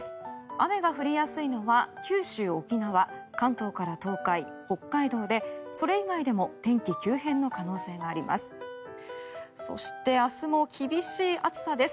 雨が降りやすいのは九州、沖縄関東から東海、北海道でそれ以外でも天気急変の可能性があります。